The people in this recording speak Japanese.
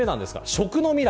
食の未来